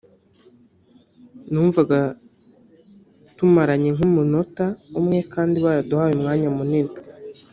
numvaga tumaranye nk'umunota umwe kandi baraduhaye umwanya munini